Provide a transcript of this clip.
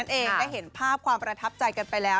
ได้เห็นภาพความประทับใจไปแล้ว